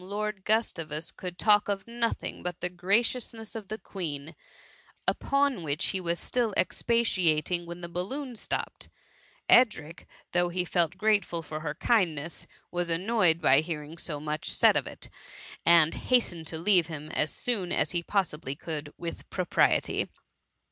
Lord Gustavus could talk of nothing but the graciousness of the Queen, upon which he was still expatiating, when the balloon stopped ; Edric, though he felt grateful for her kindness, was annoyed by hearing so much said of it, and hastened to leave him as soon as he possibly could with propriety.